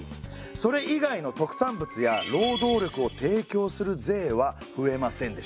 それ以外の特産物や労働力を提供する税は増えませんでした。